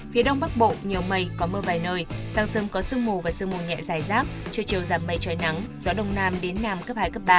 phía đông bắc bộ nhiều mây có mưa vài nơi sáng sớm có sương mù và sương mù nhẹ dài rác trưa chiều giảm mây trời nắng gió đông nam đến nam cấp hai cấp ba